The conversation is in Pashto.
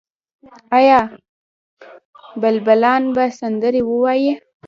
آیا بلبلان به سندرې ووايي؟